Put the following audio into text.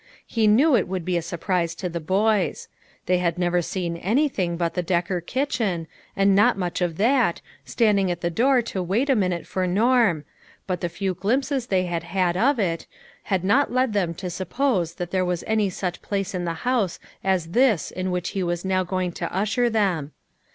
He knew it would be a surprise to the boys. They had never seen anything but the Decker kitchen, and not much of that, standing at the door to wait a minute for Norm, but the few glimpses they had had of it, had not led them to suppose that there was any such place in the house as this in which he was now going to usher them.